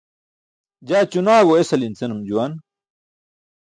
Jaa ćunaaẏo esali̇n, senum juwan.